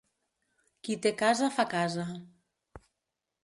Qui té casa fa casa.